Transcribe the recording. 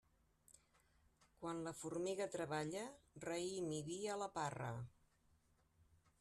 Quan la formiga treballa, raïm i vi a la parra.